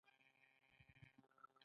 مخاطب یې دیکتاتوري نظامونه دي.